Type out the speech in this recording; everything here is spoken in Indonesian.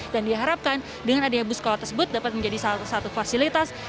dan diharapkan dengan adanya bus sekolah tersebut dapat menjadi salah satu fasilitas